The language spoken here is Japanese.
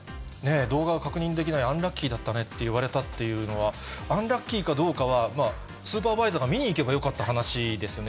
動画を確認できない、アンラッキーだったねって言われたっていうのは、アンラッキーかどうかは、スーパーバイザーが見に行けばよかった話ですよね。